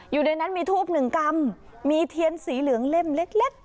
อยู่ในนั้นมีทูบหนึ่งกรัมมีเทียนสีเหลืองเล่มเล็กเล็ก